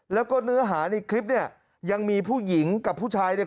แล้วก็เนื้อหาในคลิปเนี่ยยังมีผู้หญิงกับผู้ชายเนี่ย